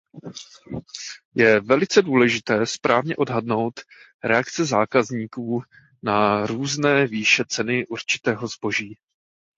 Je velice důležité správně odhadnout reakce zákazníků na různé výše ceny určitého zboží.